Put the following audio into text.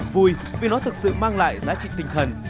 vui vì nó thực sự mang lại giá trị tinh thần